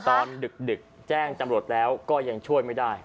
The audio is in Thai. ดึกแจ้งจำรวจแล้วก็ยังช่วยไม่ได้